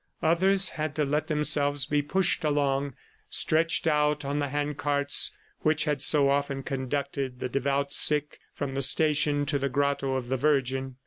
Others had to let themselves be pushed along, stretched out on the hand carts which had so often conducted the devout sick from the station to the Grotto of the Virgin.